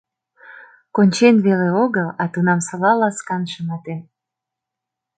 Кончен веле огыл, а тунамсыла ласкан шыматен.